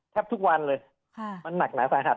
แทบทุกวันเลยอ่ามันหนักหนาสายหัด